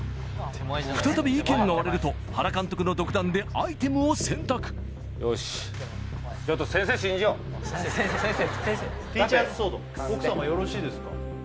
再び意見が割れると原監督の独断でアイテムを選択よしちょっと先生信じようティーチャーズソード奥様よろしいですか？